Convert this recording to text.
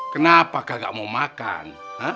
kenapa gak mau makan